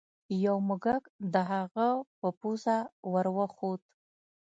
یو موږک د هغه په پوزه ور وخوت.